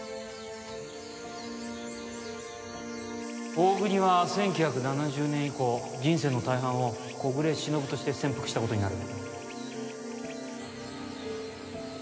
大國は１９７０年以降人生の大半を小暮しのぶとして潜伏した事になる。